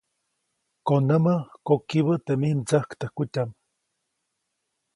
Konämä, kokibä teʼ mij mdsäktäjkutyaʼm.